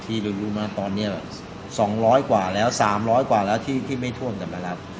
ที่รู้รู้มาตอนเนี้ยสองร้อยกว่าแล้วสามร้อยกว่าแล้วที่ที่ไม่ท่วมจัดมารับ